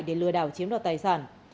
để lừa đảo chiếm đặt tài sản